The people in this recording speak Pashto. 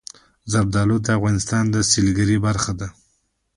زردالو د افغانستان د سیلګرۍ برخه ده.